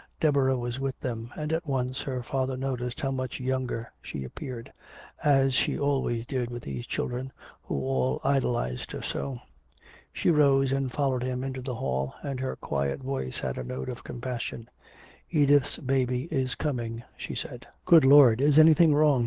Deborah was with them, and at once her father noticed how much younger she appeared as she always did with these children who all idolized her so. She rose and followed him into the hall, and her quiet voice had a note of compassion. "Edith's baby is coming," she said. "Good Lord. Is anything wrong?"